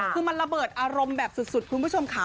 คือมันระเบิดอารมณ์แบบสุดคุณผู้ชมค่ะ